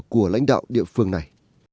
của lãnh đạo địa phương này